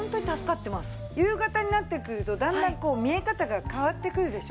夕方になってくるとだんだんこう見え方が変わってくるでしょ？